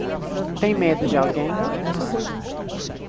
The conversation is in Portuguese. Tem medo de alguém?